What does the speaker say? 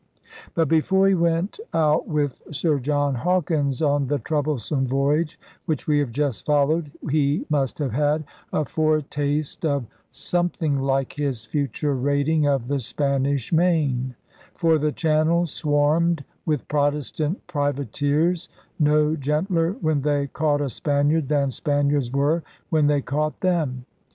But, before he went out with Sir John Hawkins, on the * troublesome' voyage which we have just followed, he must have had a foretaste of some 98 ELIZABETHAN SEA DOGS thing like his future raiding of the Spanish Main; for the Channel swarmed with Protestant priva teers, no gentler, when they caught a Spaniard, than Spaniards were when they caught them.